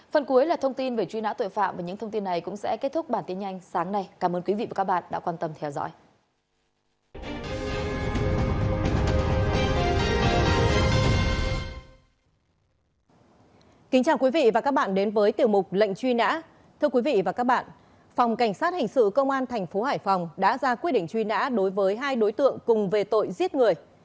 phòng cảnh sát hành sự công an tp hcm đã ra quyết định truy nã đối với hai đối tượng cùng về tội giết người